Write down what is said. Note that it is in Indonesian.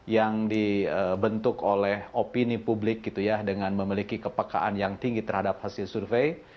yang dibentuk oleh opini publik gitu ya dengan memiliki kepekaan yang tinggi terhadap hasil survei